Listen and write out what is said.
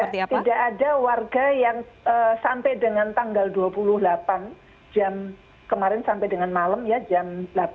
tidak ada warga yang sampai dengan tanggal dua puluh delapan jam kemarin sampai dengan malam ya jam delapan